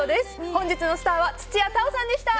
本日のスターは土屋太鳳さんでした。